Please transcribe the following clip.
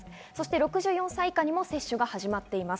６４歳以下にも接種が始まっています。